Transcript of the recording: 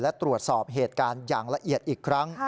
และตรวจสอบเหตุการณ์อย่างละเอียดอีกครั้ง